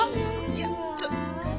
いやちょっと。